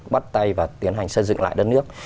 bắt tay và tiến hành xây dựng lại đất nước